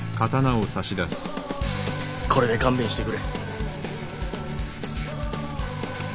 これで勘弁してくれ。